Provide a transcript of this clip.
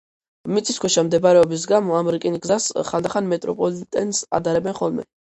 მიწისქვეშა მდებარეობის გამო ამ რკინიგზას ხანდახან მეტროპოლიტენს ადარებენ ხოლმე.